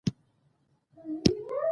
تاریخ د خپل ولس د غیرت لامل دی.